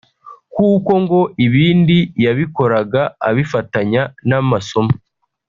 kuko ngo ibindi yabikoraga abifatanya n’amasomo